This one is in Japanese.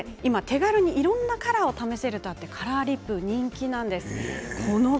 今、手軽にいろんなカラーを試せるとあってカラーリップ人気なんです。